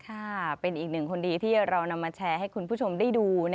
ค่ะเป็นอีกหนึ่งคนดีที่เรานำมาแชร์ให้คุณผู้ชมได้ดู